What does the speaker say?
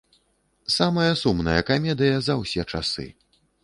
Самая сумная камедыя за ўсе часы!